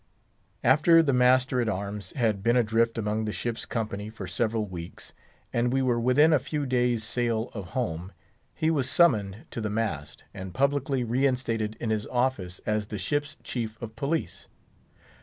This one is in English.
After the master at arms had been adrift among the ship's company for several weeks, and we were within a few days' sail of home, he was summoned to the mast, and publicly reinstated in his office as the ship's chief of police.